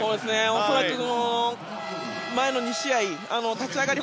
恐らく前の２試合立ち上がり